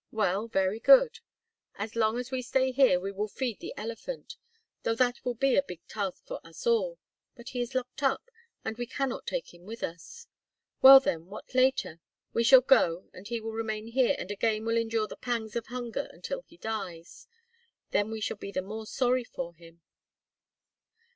Well, very good! As long as we stay here we will feed the elephant, though that will be a big task for us all. But he is locked up and we cannot take him with us. Well then, what later? We shall go and he will remain here and again will endure the pangs of hunger until he dies. Then we shall be all the more sorry for him."